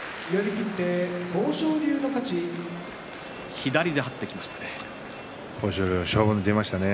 左で張ってきましたね。